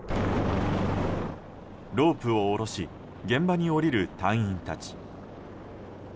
ロープを下ろし現場に降りる隊員たち。